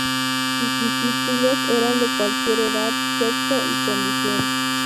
Sus discípulos eran de cualquier edad, sexo y condición.